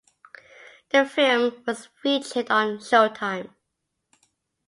The film was featured on Showtime.